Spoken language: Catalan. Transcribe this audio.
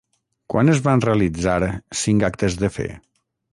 Quan es van realitzar cinc actes de fe?